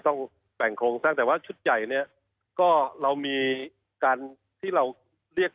ต้องแต่งโครงสร้างแต่ว่าชุดใหญ่เนี่ยก็เรามีการที่เราเรียก